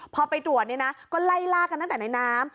พอไปตรวจเนี่ยนะก็ไล่ล่ากันตั้งแต่ในน้ำ